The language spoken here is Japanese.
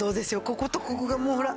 こことここがもうほら。